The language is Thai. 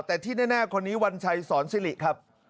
แต่ที่แน่คนนี้วัญชัยสอนซิริครับ